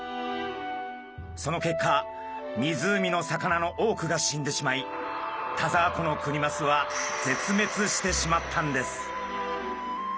その結果湖の魚の多くが死んでしまい田沢湖のクニマスは絶滅してしまったんです。